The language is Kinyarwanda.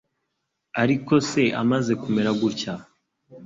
Ariko se amaze kumera gutya.